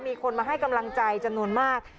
มีคนมาให้กำลังใจจำนวนมาก